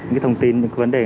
những thông tin những vấn đề